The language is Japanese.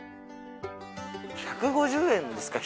１５０円ですか？